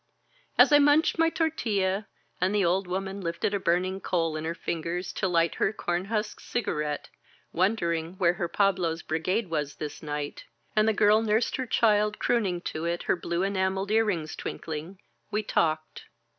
As I munched my tortilla and the old woman lifted a burning coal in her fingers to light her corn husk cigarette, wondering where her Pablo's brigade was this night; and the girl nursed her child, crooning to it, her blue enameled ear rings twinkling, — ^we talked.